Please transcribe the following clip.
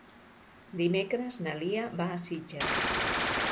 Dimecres na Lia va a Sitges.